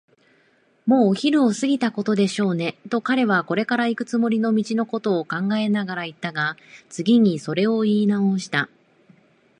「もうお昼を過ぎたことでしょうね」と、彼はこれからいくつもりの道のことを考えながらいったが、次にそれをいいなおした。